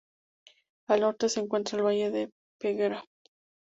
Al norte se encuentra el valle de Peguera.